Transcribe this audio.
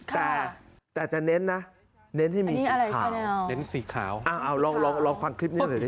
แต่จะเน้นน่ะเน้นที่มีสีขาวลองฟังคลิปนี้หน่อยสิ